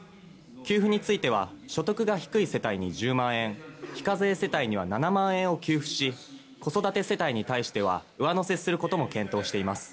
給付については所得が低い世帯に１０万円非課税世帯に７万円を給付し子育て世帯に対しては上乗せすることも検討しています。